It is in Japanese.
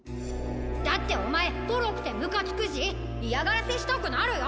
だっておまえとろくてムカつくしいやがらせしたくなるよ！